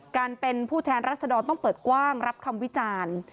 การเป็นผู้แทนรัศดรต้องเปิดกว้างรับคำวิจารณ์